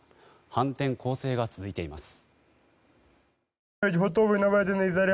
反転攻勢が続いています。